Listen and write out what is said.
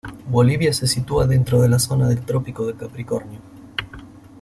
Bolivia se sitúa dentro de la zona del Trópico de Capricornio.